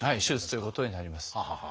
手術ということになります。